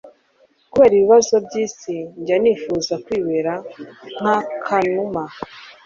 kubera ibibazo byisi njya nifuza kwibera nk'akanuma